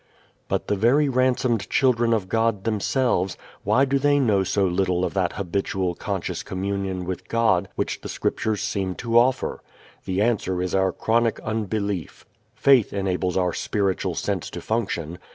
But the very ransomed children of God themselves: why do they know so little of that habitual conscious communion with God which the Scriptures seem to offer? The answer is our chronic unbelief. Faith enables our spiritual sense to function.